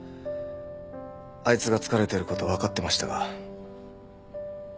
あいつが疲れてること分かってましたが。